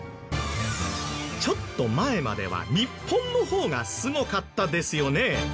ちょっと前までは日本の方がすごかったですよね。